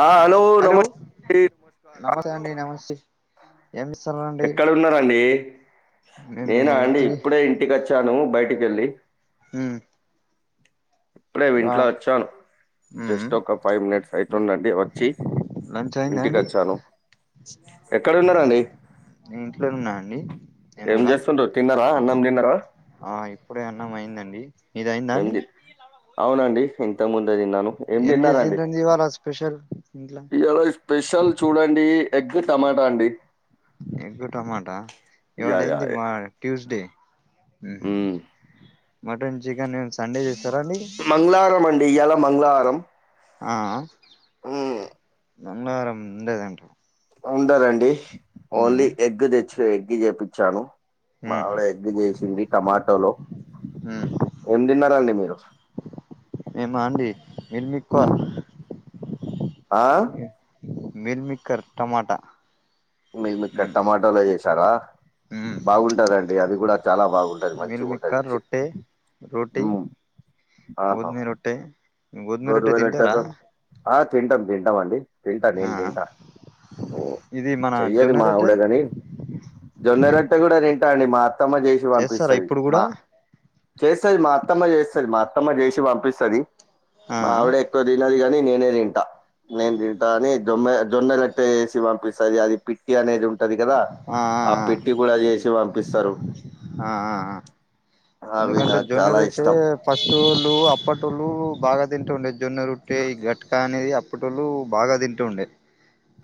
ఆ హలో నమస్కారం అండి నమస్కారం ఆ అలో ఏమిస్సారండి? ఉన్నారండీ నేనా అండి ఫ్రీ ఇప్పుడే ఇంటికి వచ్చాను బయటికెళ్ళి ఊ ఇప్పుడే విన్ట్లో వచ్చాను ఉమ్ జస్ట్ ఒక ఫైవ్ మినిట్స్ అయితుందండి వచ్చి ఇంటికి వచ్చాను [inaudible] ఎక్కడున్నారండి నే ఇంట్లో ఉన్నా అండి నేను ఏం కూడా చేస్తుండ్రు తిన్నారా అన్నం తిన్నారా ఆ ఇప్పుడే అన్నం అయిందండి మీది అయిందా అండి ఏమిది అవునండి ఇంత ముందే తిన్నాను ఏమి ఏం తిన్నారండి? చేసింరండి ఇవాళ స్పెషల్ ఇంట్లా ఇలా స్పెషల్ చూడండి ఎగ్ టమాటా అండి ఎగ్గు టమాటా యా ఇవాళ యా ఏంది యా. మా ట్యూస్డే ఉహు మ్మ్. మటన్ చికెన్ ఏం సండే చేస్తారా అండి మంగళవారం అండి ఇయలా మంగళవారం ఆ ఊ మంగళరం ముందేదంటారు ఉండదండి ఓన్లీ ఎగ్ తెచ్చు ఎగ్ చేపిచ్చాను ఉమ్ మావిడ ఎగ్గు చేసింది టమాటోలో ఏం తిన్నారండి మీరు మేమాండి మీల్మాకర్ మ్మ్ ఆ మీల్మిక్కర్ టమాటా మిల్మికర్ టమాటోలో చేసారా బాగుంటదండి అది కూడా చాలా బాగుంటుది మంచి మిల్ ఉంటది మిక్కర్ ఇచ్చి రొట్టె ఊ ఆహా టే గోరువేలుట్టకూ ఆ తింటాం తింటాం అండి తింటా ఆ నేను తింటా ఓ ఇది మన చెయ్యదు జొన్న రొట్టె మావిడ గాని జొన్నరట్ట కూడా తింటా అండి మా అత్తమ్మ చేసి చేస్తారా పంపిస్తాది ఇప్పుడు మా కూడా చేస్తుంది మా అత్తమ్మ చేస్తుంది మా అత్తమ్మ చేసి పంపిస్తుంది ఆ మా ఆవిడే ఎకొ తినది గాని నేనే తింటా నేను తింటా అని జొన్ జొన్న రోట్టే చెసి పంపిస్తది అది పిట్టి అనేది ఉంటది కదా ఆ పిట్టి కూడా చేసి పంపిస్తారు ఆ ఆ ఆ అవి ఎందుకంటే నాకు జొన్న చాలా రొట్టె ఇష్టం. ఫస్టోళ్లు అప్పటోళ్ళు బాగా తింటూ ఉండే జొన్న రొట్టె ఈ గట్టకా అనేది అప్ అప్పటోలు బాగా తింటూ ఉండే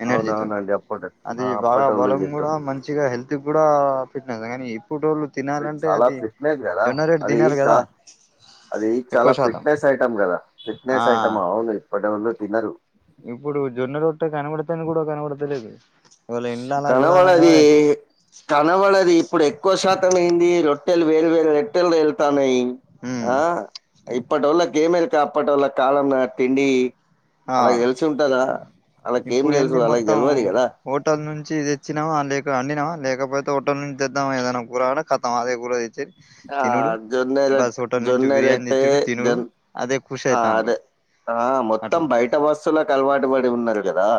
ఎనర్జీతోని అవునవునండి. అప్పటి ఆ అది బాగా అప్పటోళ్ళు బలం తింటరు. కూడా మంచిగా హెల్త్ ఇది కూడా పెట్న కానీ ఇప్పటోళ్ళు తినాలంటే అది లేదు కదా జొన్న రొట్టె అది తినరు కదా చార్ అది చాలా ఎక్కువ శాతం ఫిట్నెస్ ఐటం కదా ఆ ఫిట్నెస్ ఐటం అవును ఇప్పటోళ్ళు తినరు ఇప్పుడు జొన్న రొట్ట కనబడతను కూడా కనబడతలేదు ఇవాళ ఇండ్ల అలా కనబడది చూడాలంటే కనవడది ఇప్పుడు ఎక్కువ శాతం ఏంది రొట్టెలు వేరు వేరు రొట్టెలు దేళ్తాన్నాయి ఉమ్ ఆ ఇప్పటోళ్లకు ఏం ఎరుక అప్పటోల కాలం నాటి తిండి ఆ అలకి తెలిసి ఉంటదా అలాకి ఏం ఇప్పుడు ఏంది తెలుసు అలకి మొత్తం తెలవదు కదా హోటల్ నుంచి ఇది తెచ్చినావా లేక అండినావా లేకపోతే హోటల్ నుంచి తెద్దామా ఏదైనా కూరా ఖతం అదే కూ చెట్ ఆ తినుడు జొన్న బస్ రొట్ హోటల్ నుంచి జొన్న బిర్యానీ రొట్టె తెచ్చుడు తినుడు జొన్ అదే ఖుష ఆ అయితాంది అదే ఆ మొత్తం బయట వస్సులకి అలవాటు పడి ఉన్నారు గదా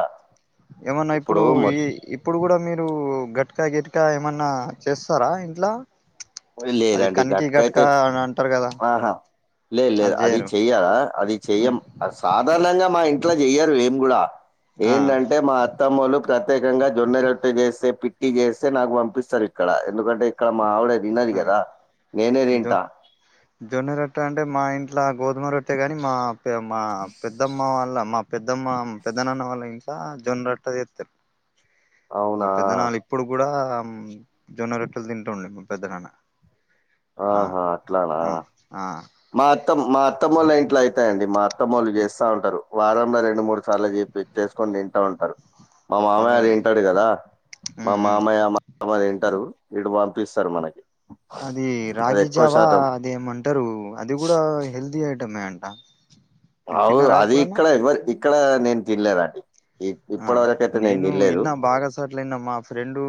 ఏమన్నా ఇప్పుడు ఈ ఇప్ ఇప్పుడు గూడా మీరు గట్కా గిట్కా ఏమన్నా చేస్తారా ఇంట్లా అది లేదండి కంకి గట్క గట్కయితే అని అంటారు గదా ఆహా లేదు లేదు అది చెయ్యాలా అది ఉమ్ చెయ్యం ఆది సాధారణంగా మా ఇంట్లో చెయ్యారు ఏం గూడా ఆ ఏందంటే మా అత్ అత్తమ్మవొళ్ళు ప్రత్యేకంగా జొన్న రొట్ట చేస్తే పిట్టి చేస్తే నాకు పంపిస్తారు ఇక్కడ ఎందుకంటే ఇక్కడ మా ఆవిడ తినది ఉహు కదా నేనే ఇద్దో తింటా జొన్న రొట్టె అంటే మా ఇంట్ల గోధుమ రొట్టె గానీ మా పె మా పెద్దమ్మ వాళ్ళ మా పెద్దమ్మ పెద్ద నాన్న వాళ్ళ ఇంట్ల జొన్నరొట్టె చేత్తర్ మా అవునా పెద్దనాళ్ళు ఇప్పుడు గూడాం జొన్న రెట్టెల్ తింటుండిప్పుడ్ పెద్ద నాన్న ఆ హా అట్లానా మా అత్తమ్ మా అత్తమ్మోళ్ళ ఇంట్ల అయితాయండి మా అత్తమ్మోళు చేస్తా ఉంటారు వారంల రెండు మూడు సార్లు జెపి చేసుకొన్ తింటా ఉంటారు మా మామయ్య పర్వాలే తింటాడు గదా మా ఉమ్ ఉమ్ మామయ్య మ మామ తింటరు ఈడు వంపిస్తారు మనకి అది అది రాగి ఎక్కువ జావా శాతం అది ఏమంటరు అది గూడా హెల్తీ ఐటమే అంట మీరు అవు తిన్నారా అది ఎప్పుడన్నా ఇక్కడ ఎవర్ ఇక్కడ నేన్ తినలేదండి ఇ- ఆ ఇప్పటి వరకు అయితే నేను తినలేదు ఇన్న బాగాసోట్ల ఇన్న మా ఫ్రెండు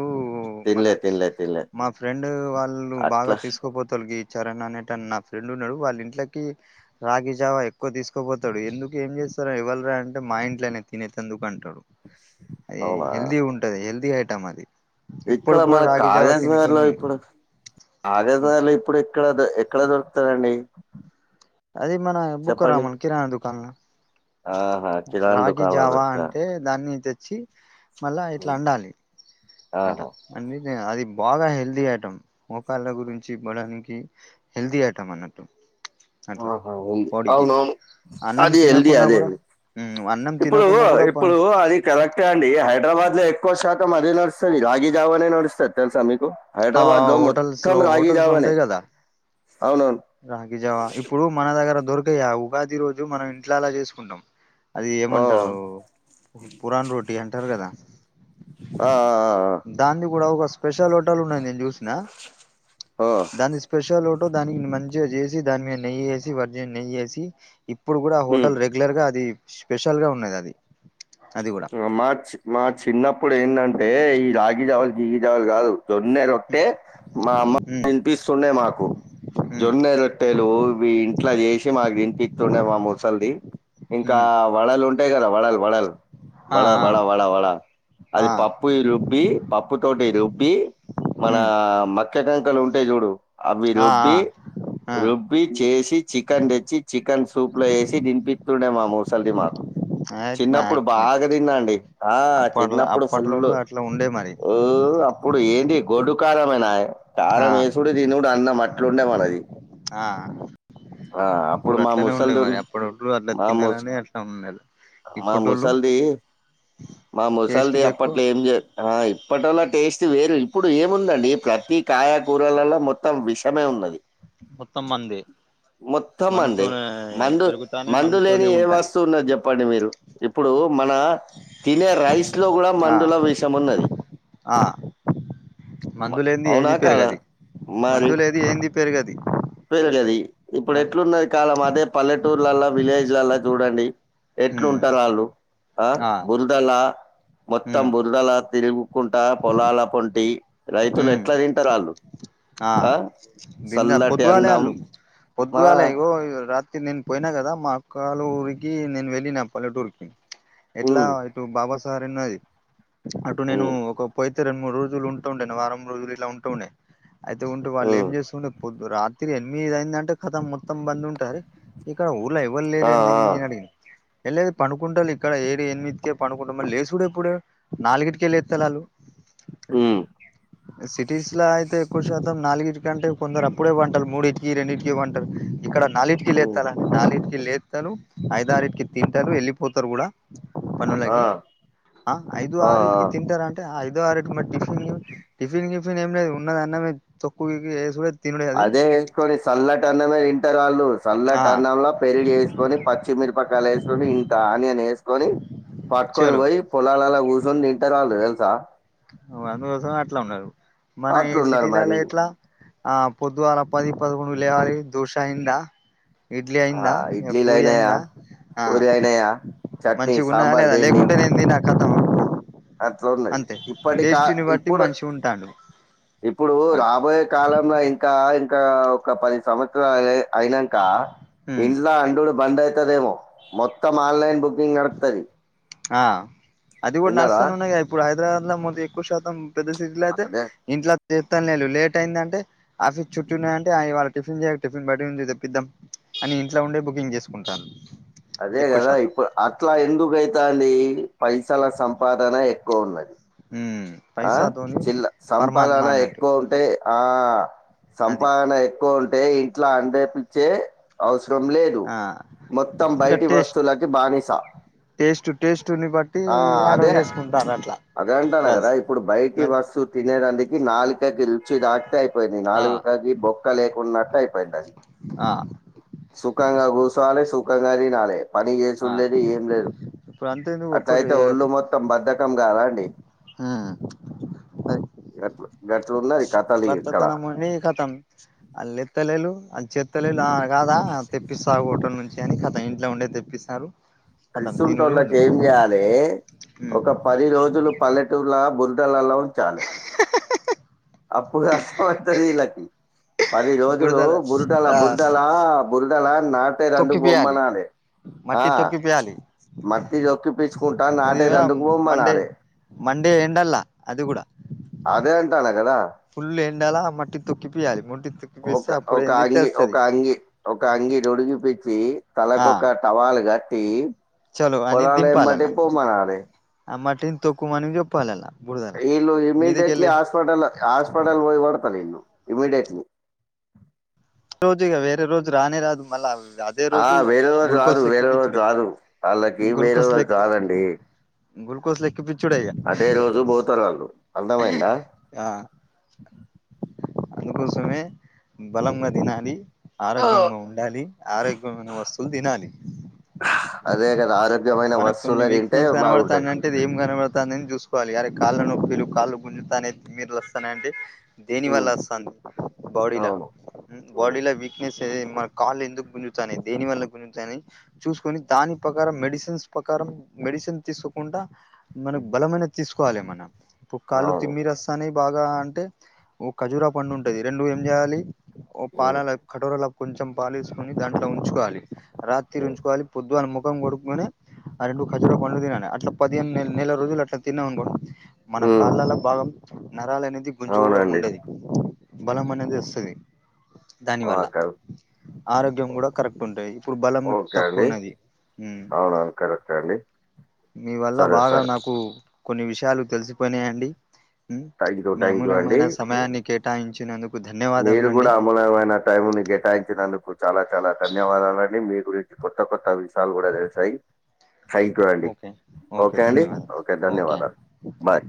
తినలే మనచ్ తినలే తినలే మా ఫ్రెండ్ వాళ్ళు బాగా అట్లా తీసుకోపోతలు గీ చరణ్ అనేటన్ నా ఫ్రెండ్ ఉన్నడు వాళ్ ఇంట్లకి రాగి జావా ఎక్కువ తీసుకోపోతడు ఎందుక్ ఏం చేస్తారు ఎవ్వల్ రా అంటే మా ఇంట్లనే తినేతందుకు అన్ టడు ఎ అవునా హెల్తీ ఉంటది హెల్దీ ఐటం అది ఇప్పుడు ఇక్కడ కూడా మన రాగి జావా కాగజ్ నగర్ తినేటోళ్ళు ల ఉన్నారు ఇప్పుడు ఆదేజా లో ఇప్పుడు ఎక్కడ ద ఎక్కడ దొరుకుతారండి అది మన బుక్క చెప్పండి రామున్ కిరాణా దుకాన్ ల ఆహా కిరాణా రాగి దుకాణంలో జావా దొరుకుతా అంటే దాన్ని తెచ్చి మళ్ళా ఇట్లా అండాలి అంట ఆహా అన్నిది అది బాగా హెల్తీ ఐటం మొకాళ్ళ గురించ్ ఇబ్బడానికి హెల్ది ఐటమ్ అన్నట్టు అట్లా ఆహా వుంది బాడీకి అవునవును అన్నం అది హెల్ది తినకున్నా అదే కూడా అది ఉమ్, అన్నం ఇప్పుడు తినకున్నా కూడా ప- ఇప్పుడు అది కరెక్టే అండి హైదరాబాద్ ల ఎక్కువ శాతం అదే నడుస్తది రాగి జావ నే నడుస్తద్ తెలుసా మీకు ఆ హైడ్రాబాద్ లో హోటల్స్ మొత్తం లో హోటల్స్ రాగిజావనే అవునవున్ రాగిజావా ఇప్పుడు మన దగ్గర దొరకయా ఉగాది రోజు మనం ఇంట్లాల్ల చేసుకుంటాం అది ఆ. ఏమంటారు పు పురాన్ రోటీ అంటారు గదా ఆ ఆ ఆ అ దాంది గూడా ఒక స్పెషల్ హోటల్ ఉన్నద్ నేన్ చూసిన ఆ దాంది స్పెషల్ ఓటు దానిక్ మంచిగ జేసి దాన్ మీద్ నెయేసి వర్జన్ నెయ్యేసి ఇప్పుడు గూడా ఆ. హోటల్ రెగ్యులర్ గా అది స్పెషల్ గా ఉన్నది అది అది గూడా రోమాచ్ మా చిన్నప్పుడ్ ఏందంటే ఈ రాగి జావా గీగిజావాల్ కాదు జోన్నే రో ట్టే మా అమ్మ ఉమ్ దినిపిస్తుండే మాకు ఉమ్ జొన్నె రొట్టెలు ఇవి ఇంట్లా చేసి మాక్ తినిపిత్తుండే మా ముసల్ది ఇంకా ఉమ్ వడల్ ఉంటాయి గదా వడల్ వడల్ ఆ వడ ఆ వడ వడా వడా అది ఆ పప్ ప్పుయ్ రుబ్బి పప్పు తోటి రుబ్బి మన ఉమ్ మక్కే కంకెల్ ఉంటేయ్ జుడు అవి ఆ ఆ రుబ్బి ఆ రుబ్ ప్పి చేసి చికెన్ దెచ్చి చికెన్ సూప్ ల ఏసి దినిపిత్తుండే మా మూసల్ది మాక్ యాద్ మాక్నెం టండి ఆ చిన్నప్పుడు ఫుల్లు అట్లా ఉండే మరి ఊ అప్పుడు ఏంది గొడ్డు కారమెనాయ్ ఆ కారం ఏసుడు దినుడు అన్నాం అట్లుండే మనది ఆ ఆ అప్పుడు మా అట్లనే ఉండే ముసల్దున్ మరి అప్పుడోళ్ళు అట్లా మా ముస్ తినాలని అట్లా ఉండేది మా ఇప్పుటోళ్ళు ముసల్ది మా టేస్ట్ ముసల్ది కి ఎక్కువ అప్పట్ల ఏం జే ఆ ఇప్పటోల టేస్ట్ వేరు ఇప్పుడు ఏముందండి ప్రత్తి కాయకూరలల్ల మొత్తం విషమే ఉన్నది మొత్తం మందే మొత్తం అండి మందుతోనే మందు పెరుగుతానే మందు లేని మందుతోనే ఏ ఉంటాను వస్తువు ఉన్నది చెప్పండి మీరు ఇప్పుడు మన తినే రైస్ లో కూడా ఆ మందుల విషము ఉన్నది ఆ మ మందు లేనిది అవునా ఏది కాదా పేరుగది మందులేది ఏంది పెరుగది పెరుగది ఇప్పుడు ఎట్లున్నది కాలం అదే పల్లెటూర్లల్లా విలేజ్లల్లా చూడండి ఎట్లు ఉమ్ ఉంటారు వాళ్ళు ఆ బురదలా మొత్తం ఉమ్ బురదలా తిరుగు కుంటా పొలాల పొంటి రైతులు ఉమ్ ఎట్లా తింటారు ఆళ్ళు ఆ బిందా సల్లటి పొద్దువాల అన్నం అల్లు ఆ పొద్దుగల ఆళ్లు రాత్రి నేను పోయినా కదా మా అక్కలు ఊరికి నేను వెళ్ళిన పల్లెటూర్ కి ఎట్లా హ్మ్ ఇటు బాబాసార్ అన్నది అటు నేను హ్మ్ ఒక పోయితే రెడు మూడు రోజలు ఉంటుంది వారం రోజులు ఇలా ఉంటుండే అయితే ఉంటే వాళ్ళు ఏం హ్మ్ చేస్తుండ పొద్దు రాత్రి ఎనిమిది అయిందంటే కథం మొత్తం బంద్ ఉంటారు ఇక్కడ ఊర్లో ఎవ్వలు ఆ లేరేందని ఆ నేను అడిగిన ఎళ్ది పనుకుంటారు ఇక్కడ ఏడు ఎనిమిది ఇంటికే పనుకుంటారు మరి లేసుడు ఎప్పుడు నాలుగిడికే లేతలు ఆళ్ళు హ్మ్ సిటీస్లా అయితే ఎక్కువ శాతం నాలుగు ఇటికి కంటే కొందరు అప్పుడే వంటారు మూడిటికి రెండిటికి వంటారు ఇక్కడ నాలుగింటికి హ్మ్ లేతల నాలుగింటికి లేతారు ఐదారింటికి తింటారు వెళ్ళిపోతారు కూడా ఆ పనులకి ఆ ఐదు ఆ ఆరింటికి ఆ తింటారా ఐదో ఆరీటికి మరి టిఫిన్ టిఫిన్ కిఫిన్ ఏం లేదు ఉన్నదే అన్నమే. తొక్కు గిక్కు ఏసుడు అదే వేసుకొని చల్లటన్నమే తింటరు వాళ్ళు ఆ సల్లటన్నంలో పెరిగేసుకొని వేసుకొని పచ్చిమిరపకాయలు వేసుకొని ఇక ఆనియన్ వేసుకొని పట్టుకొని చలో పోయి పొలాలలా కూర్చొని తింటరు వాళ్ళు తెలుసా అందుకోసం అట్లా ఉన్నారు మన ఈ అట్లున్నారు మరి సిటీలలో ఎట్లా ఆ పొద్దు అలా పది పదకొడు లేవాలి దోషాయంద ఇడ్లీ ఆ అయిందా ఇడ్లీలు పూరి అయినాయా అయిందా ఆ పూరి అయినాయా చట్నీ మంచిగా ఉన్నాద సాంబార్ లేదా లేకుంటే నేను తిన కతం అట్ల ఉంది అంతే ఇప్పటి కా టేస్ట్ని బట్టి ఇప్పుడు మనిషి ఉంటాండు ఇప్పుడు ఆ రాబోయే కాలంలో ఇంకా ఇంకా ఒక పది సంవత్సరాలు అయినాక ఉమ్ ఇంట్లో అండుడు బంద్ అయితదేమో మొత్తం ఆన్లైన్ బుకింగ్ నడుతది ఆ అది కూడా నర్సనే ఉన్నాయి కదా ఇప్పుడు హైదరాబాద్ లో మొద ఎక్కువ శాతం పెద్ద సిటీలో అయితే అదే ఇంట్లో చేస్తానులేదు లేట్ అయిందంటే ఆఫీస్ చుట్టూ ఉన్నాయ అంటే ఇవాళ టిఫిన్ చెయ్యకు టిఫిన్ బట్టి నుంచి తెప్పిద్దాం అని ఇంట్లో ఉండే బుకింగ్ చేసుకుంటాలు అదే కదా ఇప్పుడు అట్లా ఎందుకేతంది పైసల సంపాదన ఎక్కువ ఉన్నది ఉ ఆ చిల్ల సంపాదన ఎక్కువ ఉంటే ఆ అది సంపాదన ఎక్కువ ఉంటే ఇంట్లో అండేపించే అవసరం లేదు ఆ మొత్తం ఇంకా బయటి టేస్ట్ వస్తువులకి బానిసా టేస్ట్ టేస్ట్ని బట్టి ఆర్డర్ అదే చేసుకుంటాలు అట్లా అదే అంటాను బస్ కదా ఇప్పుడు బయటి మరి వస్తు తినేదానికి నాలుకకి రుచి రాక అట్టే అయిపోయింది ఆ నాలుకకి బొక్క లేకున్నట్టే అయిపోయింది అది ఆ సుఖంగా కూసోవాలే సుఖంగా తినాలే పని ఆ చేసిలేదు ఏం లేదు ఇప్పుడు అంతే నువ్వు ఒక్క అట్లయితే ఒళ్ళు మొత్తం బద్దకం కదా అండి హ గట్లు గట్లు ఉన్నది కథాలి ఇక్కడ, భర్తతనం కతం అల్ ఎత్తలేళ అ చెత్తలేళ కాదా తెప్పిస్తాటం నుంచి, వియానికి కథ ఇంట్లో ఉండే తెప్పిస్తారు. కతం తినుడు ఇస్తుంటున్నకి ఉండుడు ఏం చేయాలి ఒక పది రోజులు, పల్లెటూలా బుర్రదలలా ఉంచాలి. అప్పు కస్త వద్దదిీళ్ళకి పది రోజులు బురదల బురిటలా ఆ బురిటలా, బరుదల నాటే రెం తొక్కిపియాలి బొమనాాలి ఆ మట్టి తొక్కిపియాలి మట్టిలోొక్కి పిచ్చుకుంటా అది నాటే దందుకు బొమ్మ మండే నాడే, మండే ఎండల్ అది కూడా, అదే అంట అల కదా, ఫుల్ ఎండాాల మట్టి తొక్కి పయాలి మట్టిక్ ఒక ఒక అంగి ఒక అంగి, ఒక అంగి తొడిగి పచ్చి ఆ తలకొక టవాల్ కట్టి, చలో అ పొలాలు ఎంబటి దింపాాలలా పొమ్మనాలి మట్టిని తక్కు మని జప్పాలలా, ఇల్ ఇమీడయేట్లీ హాస్పిటల్ హాస్పిటల్ పో వడతల ఇల్ ఇమిీడయేట్లీ, రోజు ఇగ వేరే రోజు రానే రాదు మళ్ళా అదే రోజు ఆ వేర వాళ్ళు రారు గ్లూకోస్ వేరు వాళ్లు ఎక్కిపిచ్చుడే రారు, వాళ్ళకి వేరలో చదండి, గ్లుూకోజ లేక పిచ్చోడయ్య గా రోజు పోతారాళ్ళు. అర్థమైందా? ఆ, అందుకోసమే బలంగా తినాలి ఆ! ఆరోగ్యంగా ఉ వేండాలి ఆరోగ్యమైన వస్తువులు తినాలి. అదే కదా ఆరోగ్యమైన మనకు కొన్ని వస్తువులు తింటే వీక్నెస్ బాగుంటది. కనబడతానంటే ఏం కనబడతుాందని చూసుకోవాలి అరి కాళ్ళ నొప్పిలు కాళ్ళ గుంజుతానే మీరు వస్తాన అంటే, దేని హ్మ్. వల్ళస్తుంది బాడీలా, అవును. హ్మ్. బాడీలో వీక్నెస్ మన కాళ్ళు ఎందుకు, గుంజుతానేయి దేని వల్ల గుంజుతానే, చూసుకొని దాని ప్రకారం మెడిసిన్స్ ప్రకారం మెడిసిన్ తీసుకుండా, మనకు హ్మ్. బలమైనది తీసుకోవాలి మనం ఇప్పుడు కాళ్ళు అవును. తిమ్మ రస్తా అనే బాగా అంటే, ఓ ఖజురా పండు ఉంటది రెండు ఏం చేయాలి ఓ హ్మ్. పాలాల కటోరల, కొంచెం పాలేసుకొని దాంట్లో ఉంచుకోవాలి రాత్రి హ్మ్. ఉంచుకోవాలి పొద్దువాని ముఖం కొడుక్కకుొనే, అరెండు ఖర్జూర పండు తినాని అట్లా పది నెల రోజు అట్లా తిన్న అనుకో, మన హ్మ్. కాళ్ళలో భాగం నరాల అనేది గుంజు కూడా అవునండి. ఉండది. బల మనది వస్తుది. ఆ కా ఆరోగ్యం కూడా కరెక్ట్ ఉంటాది ఇప్పుడు బలం ఓకే అండి. తక్కువన్నది. అవునవును కరెక్టే అండి. మీ వల్ల సరే, బాగా సరే. నాకు కొన్ని విషయాలు తెలిసిపోనాయంండి. థాంక్యూ. మీ థాంక్యూ అండి. అమూలమైన సమయాన్ని కేటాయించినందుకు, మీరు కూడా ధన్యవాదములండి అమూలమైన, టైం ని కేటాయించినందుకు చాలా చాలా ధన్యవాదాలండి మీ గురించి కొత్త కొత్త విషయాలు కూడా తెలుసాయి. థ్యాంక్ యూ అండి ఓకే ఓకే అండి ధన్యవాదం ఓకే అండి ధన్యవాదాలు బాయ్,